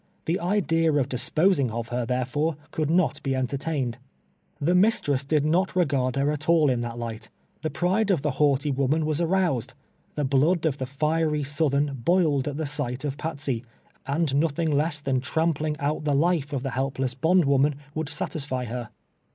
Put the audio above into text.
The idea of disposing of her, therefore, could not be entertained. The mistress did not regard her at all in that light. Tlie pride of the haughty Avoman was aroused; the blood of the fiery southern boiled at the sight of Patsey, and noth ing less than trampling out the life of the helpless bondwoman would satisfy her.